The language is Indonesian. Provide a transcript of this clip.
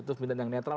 terus yang netral